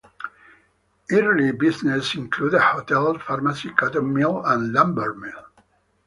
Early businesses included a hotel, pharmacy, cotton mill, and lumber mill.